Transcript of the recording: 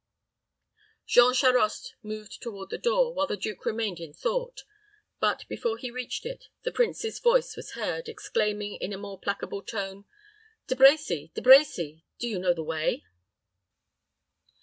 Jean Charost moved toward the door, while the duke remained in thought; but, before he reached it, the prince's voice was heard, exclaiming, in a more placable tone, "De Brecy, De Brecy, do you know the way?"